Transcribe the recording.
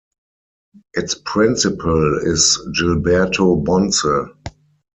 Its principal is Gilberto Bonce.